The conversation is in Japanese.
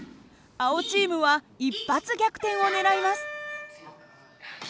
青チームは一発逆転を狙います。